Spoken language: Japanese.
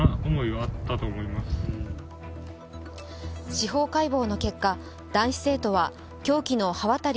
司法解剖の結果、男子生徒は凶器の刃渡り